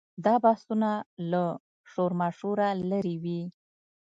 دا بحثونه له شورماشوره لرې وي.